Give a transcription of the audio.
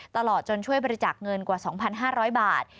ตลอดจนช่วยบริจาคเงินกว่า๒๕๐๐บาท